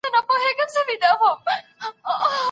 که ډېر لوړ ږغ پاڼه ړنګه نه کړي، سمه ده.